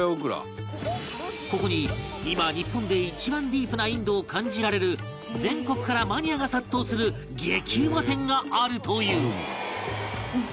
ここに今日本で一番ディープなインドを感じられる全国からマニアが殺到する激うま店があるという